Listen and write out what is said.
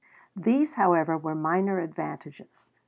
These, however, were minor advantages.